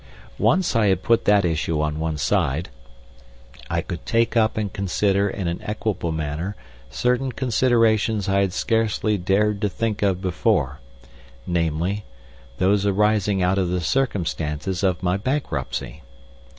Once I had put that issue on one side, I could take up and consider in an equable manner certain considerations I had scarcely dared to think of before, namely, those arising out of the circumstances of my bankruptcy.